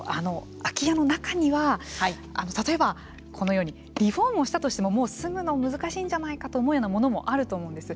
空き家の中には例えば、このようにリフォームをしたとしてももう住むの難しいんじゃないかと思うようなものもあると思うんです。